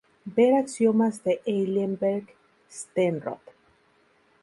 Ver Axiomas de Eilenberg–Steenrod.